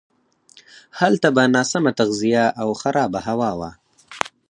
هلته به ناسمه تغذیه او خرابه هوا وه.